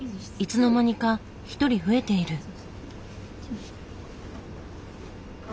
いつの間にか１人増えている。